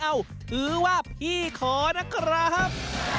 ถือว่าพี่ขอนะครับ